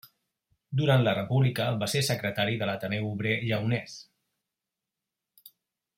Durant la República va ser secretari de l'Ateneu Obrer Lleonès.